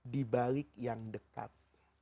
di balik yang dekat